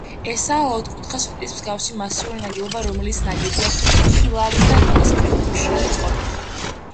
ესაა ოთხკუთხა სვეტის მსგავსი მასიური ნაგებობა, რომელიც ნაგებია ფიქალის და რიყის ქვით, მშრალი წყობით.